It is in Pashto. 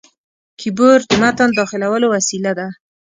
کیبورډ د متن داخلولو وسیله ده.